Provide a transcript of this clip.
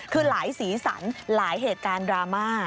คือหลายสีสันหลายเหตุการณ์ดราม่า